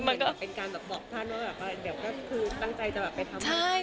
มันก็แบบเป็นการแบบบอกท่านว่าแบบว่าเดี๋ยวก็คือตั้งใจจะแบบไปทำบุญ